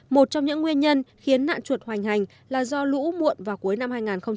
một trong những nguyên nhân khiến nạn chuột hoành hành là do lũ muộn vào cuối năm hai nghìn một mươi chín